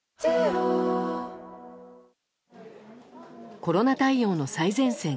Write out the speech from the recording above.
コロナ対応の最前線。